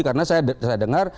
karena saya dengar